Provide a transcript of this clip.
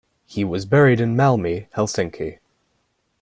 He was buried in Malmi, Helsinki.